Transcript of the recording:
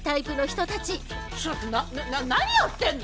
ちょっとな何やってんの！？